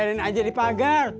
biarin aja di pagar